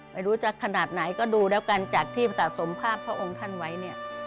ไม่รู้จะขนาดไหนก็ดูแล้วกันจากที่สะสมภาพพระองค์ท่านไว้เนี่ย